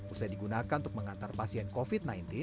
usai digunakan untuk mengantar pasien covid sembilan belas